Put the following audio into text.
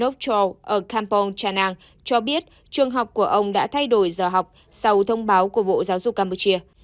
trường học shunok chau ở kampong chanang cho biết trường học của ông đã thay đổi giờ học sau thông báo của bộ giáo dục campuchia